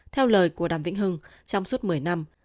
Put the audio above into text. theo lời của đàm vĩnh hưng trong suốt một mươi năm